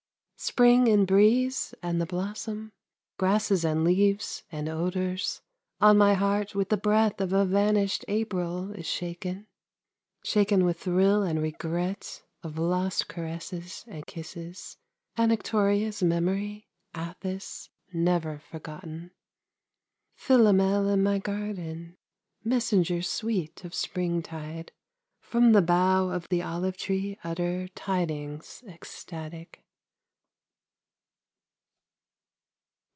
Spring in breeze and the blossom, Grasses and leaves and odors, On my heart with the breath of a vanished April is shaken; Shaken with thrill and regret of Lost caresses and kisses; Anactoria's memory, Atthis Never forgotten. Philomel in my garden, Messenger sweet of springtide, From the bough of the olive tree utter Tidings ecstatic.